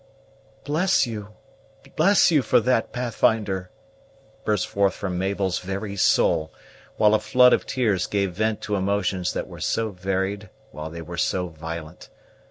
"Bless you! bless you for that, Pathfinder!" burst forth from Mabel's very soul, while a flood of tears gave vent to emotions that were so varied while they were so violent.